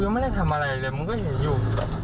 ไม่ได้ทำอะไรเลยมันก็เห็นอยู่แบบ